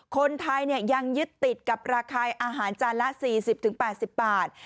คนไทยยังยึดติดกับราคาอาหารจานละ๔๐๘๐บาท